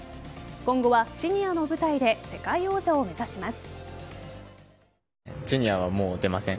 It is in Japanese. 今後はシニアの舞台で世界王者を目指します。